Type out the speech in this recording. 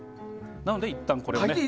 なのでいったん、これを。